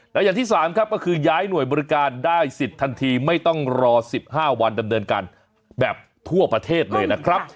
และอย่างที่๓ครับก็คือย้ายหน่วยบริการได้สิทธิ์ทันทีไม่ต้องรอ๑๕วันดำเนินการแบบทั่วประเทศเลยนะครับ